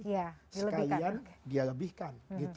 sekalian dia lebihkan